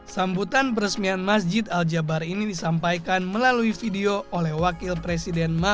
sambutan peresmian masjid al jabar ini disampaikan melalui video oleh wakil presiden